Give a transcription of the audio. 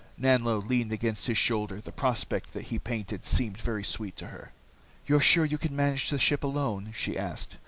Nanlo leaned against his shoulder, the prospect that he painted seemed very sweet to her. "You're sure you can manage the ship alone?" she asked.